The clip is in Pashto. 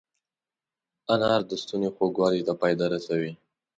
انار د ستوني خوږوالي ته فایده رسوي.